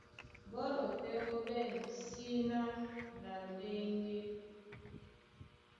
Ɓɔ́lɔ tɛ́ ɓó ɓɛ̂n síná na ndéŋgé.